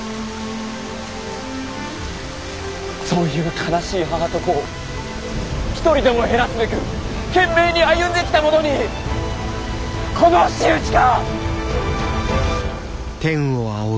そういう悲しい母と子を一人でも減らすべく懸命に歩んできた者にこの仕打ちか！？